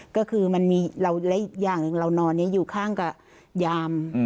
ก็คือมันมีและอีกอย่างหนึ่งเรานอนอยู่ข้างกับยาม